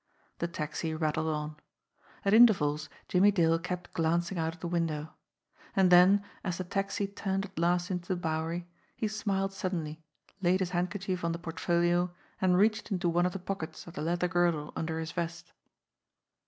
The taxi rattled on. At intervals Jimmie Dale kept glanc ing out of the window. And then, as the taxi turned at last into the Bowery, he smiled suddenly, laid his handkerchief on the portfolio, and reached into one of the pockets of the leather girdle under his vest.